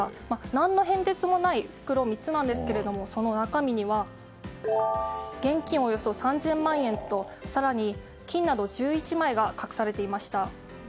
何の変哲もない袋３つなんですけどもその中身には現金およそ３０００万円と更に金など１１枚が隠されていました。